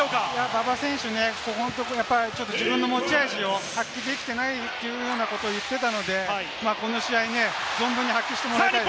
馬場選手、ここのところ、自分の持ち味を発揮できていないというようなことを言っていたので、この試合ね、存分に発揮してもらいたいですね。